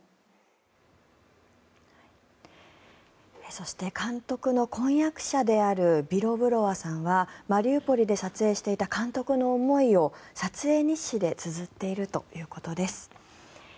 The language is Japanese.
そして監督の婚約者であるビロブロワさんはマリウポリで撮影していた監督の思いを撮影日誌でつづっているということです。